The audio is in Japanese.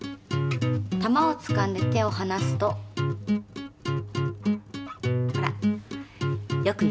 玉をつかんで手をはなすとほらよくゆれますよね。